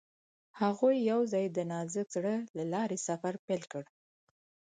هغوی یوځای د نازک زړه له لارې سفر پیل کړ.